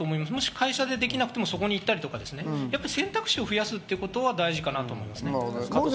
会社でできなくても、そこに行ったり、選択肢を増やすことが大事かなと思います。